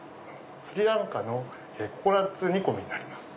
スリランカのココナツ煮込みになります。